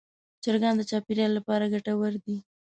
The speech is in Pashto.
چرګان د چاپېریال لپاره ګټور دي.